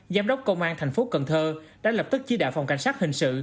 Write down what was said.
giám đốc công an tp cn đã lập tức chi đạp phòng cảnh sát hình sự